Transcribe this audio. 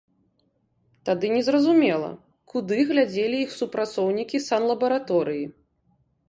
Тады не зразумела, куды глядзелі іх супрацоўнікі санлабараторыі.